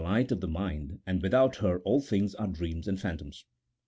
195 light of the mind, and without her all things are dreams and phantoms.